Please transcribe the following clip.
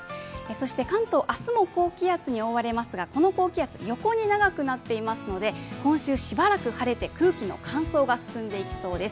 関東、明日も高気圧に覆われますが、この高気圧、横に長くなっていますので、今週、しばらく晴れて空気の乾燥が進んでいきそうです。